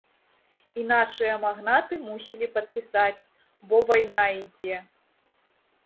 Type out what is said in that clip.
І нашыя магнаты мусілі падпісаць, бо вайна ідзе.